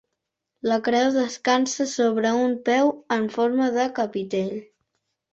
La creu descansa sobre un peu en forma de capitell.